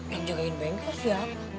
yang jagain bengkel siapa